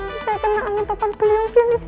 saya kena angin tepat beliau gini sih